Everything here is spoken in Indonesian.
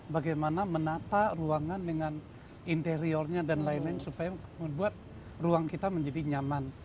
bagaimana menata ruangan dengan interiornya dan lain lain supaya membuat ruang kita menjadi nyaman